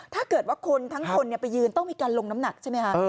ถ้าเกิดว่าคนทั้งคนไปยืนต้องมีการลงน้ำหนักใช่ไหมคะ